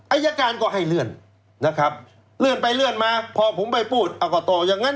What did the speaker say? อายการก็ให้เลื่อนนะครับเลื่อนไปเลื่อนมาพอผมไปพูดเอาก็ต่ออย่างนั้น